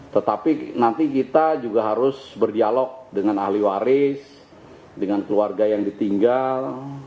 tetapi nanti kita juga harus berdialog dengan ahli waris dengan keluarga yang ditinggal